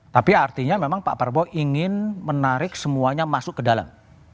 tapi artinya memang pak prabowo ingin menarik semuanya masuk ke dalam